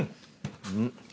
うん！